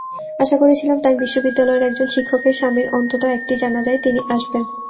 আশা করেছিলাম, তাঁর বিশ্ববিদ্যালয়ের একজন শিক্ষকের স্বামীর অন্তত একটি জানাজায় তিনি আসবেন।